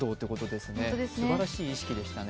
すばらしい意識でしたね。